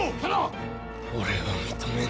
俺は認めぬ。